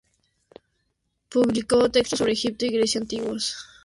Publicó textos sobre Egipto y Grecia antiguos.